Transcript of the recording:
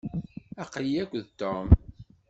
Aql-iyi akked Tom.